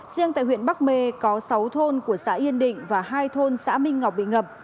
riêng tại huyện bắc mê có sáu thôn của xã yên định và hai thôn xã minh ngọc bị ngập